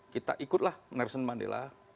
kita ikutlah nelson mandela